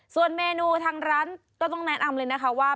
ส่วนเมนูทางร้านก็ต้องแนะนำเลยนะคะว่า